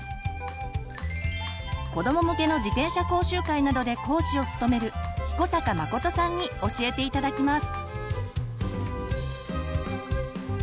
子ども向けの自転車講習会などで講師を務める彦坂誠さんに教えて頂きます。